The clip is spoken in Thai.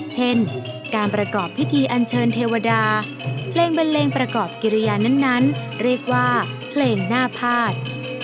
เช่นการประกอบพิธีอันเชิญเทวดาเพลงบันเลงประกอบกิริยานั้นเรียกว่าเพลงหน้าพาด